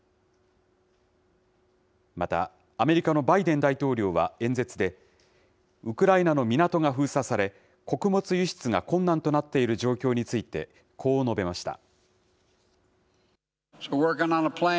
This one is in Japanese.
またアメリカのバイデン大統領は演説で、ウクライナの港が封鎖され、穀物輸出が困難となっている状況についてこう述べました。